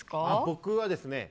僕はですね